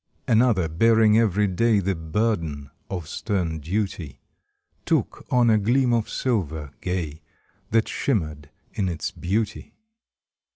Another, bearing every day The burden of stern duty, Took on a gleam of silver gay That shimmered in its beauty.